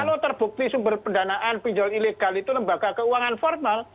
kalau terbukti sumber pendanaan pinjol ilegal itu lembaga keuangan formal